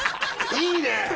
いいね！